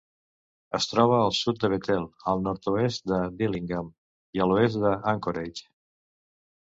Es troba al sud de Bethel, al nord-oest de Dillingham i a l'oest d'Anchorage.